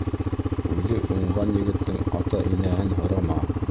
Үҙе уңған егеттең ата-инәһен һорама.